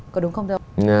có đúng không thưa ông